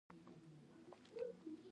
ماشومان فکر کاوه چې فلیریک رغبل کړي.